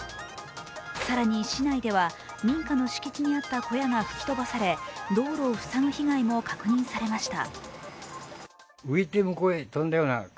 更に、市内では民家の敷地にあった小屋が吹き飛ばされ、道路を塞ぐ被害も確認されました。